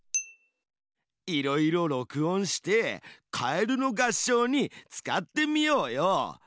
いろいろ録音して「かえるの合唱」に使ってみようよ。